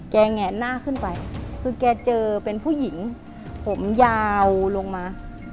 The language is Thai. แงะหน้าขึ้นไปคือแกเจอเป็นผู้หญิงผมยาวลงมา